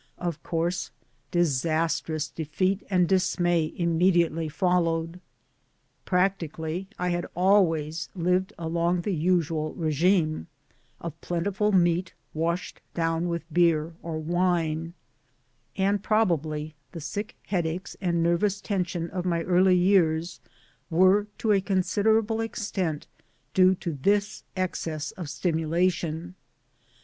Of course, disastrous defeat and dismay immediately followed I Practically I had always lived along the usual regime, of plentiful meat, washed down with beer or wine ; and probably the sick headaches and nervous tension of my early years were to a con siderable extent due to this excess of stimulation.